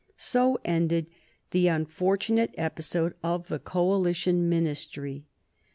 So ended the unfortunate episode of the Coalition Ministry.